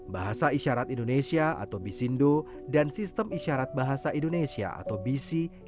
bahasa isyarat indonesia atau bisindo dan sistem isyarat bahasa indonesia atau bisi